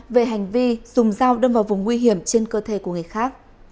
về hành vi dùng dao đâm vào vùng nguy hiểm trên cơ thể của người khác